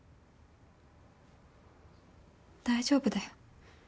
大丈夫だよ。